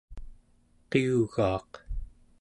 qiugaaq